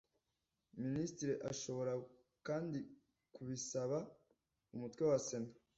minisitiri ashobora kandi kubisaba umutwe wa sena